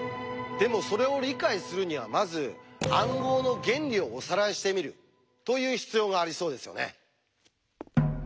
でもそれを理解するにはまず暗号の原理をおさらいしてみるという必要がありそうですよね。